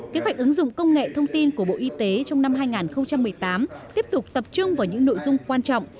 kế hoạch ứng dụng công nghệ thông tin của bộ y tế trong năm hai nghìn một mươi tám tiếp tục tập trung vào những nội dung quan trọng